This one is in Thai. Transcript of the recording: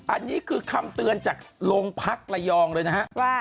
อันนี้คือคำเตือนจากโรงพรรคไลยองเลยนะฮะ